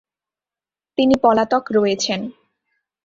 তিনি পলাতক রয়েছেন।